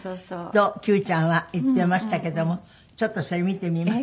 と九ちゃんは言っていましたけどもちょっとそれ見てみます？